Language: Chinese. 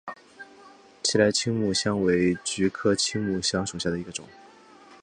奇莱青木香为菊科青木香属下的一个种。